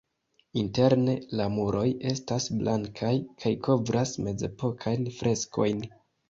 Interne la muroj estas blankaj kaj kovras mezepokajn freskojn.